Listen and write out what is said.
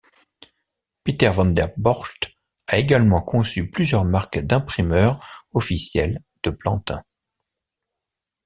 Pieter van der Borcht a également conçu plusieurs marques d'imprimeur officielles de Plantin.